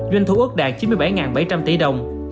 doanh thu ước đạt chín mươi bảy bảy trăm linh tỷ đồng